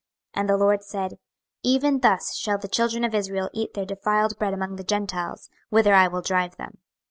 26:004:013 And the LORD said, Even thus shall the children of Israel eat their defiled bread among the Gentiles, whither I will drive them.